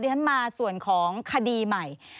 เดี๋ยวมาส่วนของคดีใหม่